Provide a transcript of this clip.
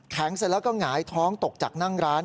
เสร็จแล้วก็หงายท้องตกจากนั่งร้าน